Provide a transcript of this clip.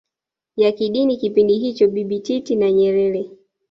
ya kidini kipindi hicho Bibi Titi na Nyerere